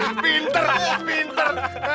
hahaha pinter pinter